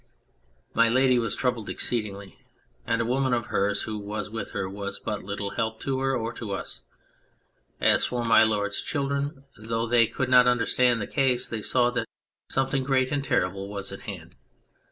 My Lady was troubled exceedingly, and a woman of hers who was with her was but little help to her or to us. As for My Lord's children, though they could not understand the case, they saw that some thing great and terrible was at hand.